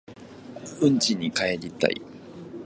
家に帰りたい。